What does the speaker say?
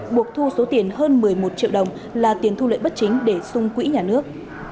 buộc thu số tiền hơn một mươi một triệu đồng là tiền thu lợi bất chính để sung quỹ nhà nước